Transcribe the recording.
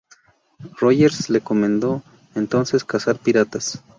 Rogers le encomendó entonces cazar piratas.